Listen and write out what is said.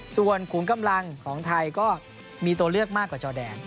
ส่วนขุมกำลังของไทยก็มีตัวเลือกมากกว่าจอแดน